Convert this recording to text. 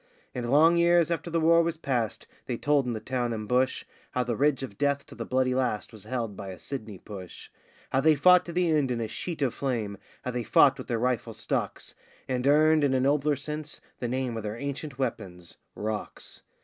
And long years after the war was past, they told in the town and bush How the ridge of death to the bloody last was held by a Sydney push; How they fought to the end in a sheet of flame, how they fought with their rifle stocks, And earned, in a nobler sense, the name of their ancient weapons 'rocks.